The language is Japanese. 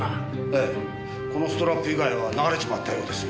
ええこのストラップ以外は流れちまったようですね。